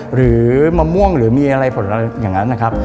หรือมะม่วงหรือมีอะไรผลอย่างนั้น